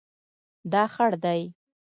دا خړ دی